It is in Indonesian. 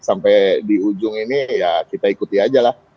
sampai di ujung ini ya kita ikuti aja lah